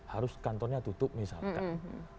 harus kantornya tutup misalkan